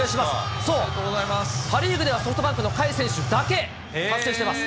そう、パ・リーグではソフトバンクの甲斐選手だけ達成してます。